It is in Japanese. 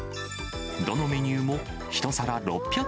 どのメニューも１皿６００